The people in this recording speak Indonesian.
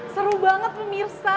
seru banget menirsa